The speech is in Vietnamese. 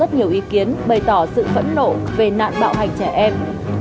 rất nhiều ý kiến bày tỏ sự phẫn nộ về nạn bạo hành trẻ em